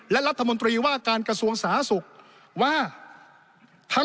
และรัฐมนตรีว่าการกระทรวงสาธารณสุขว่า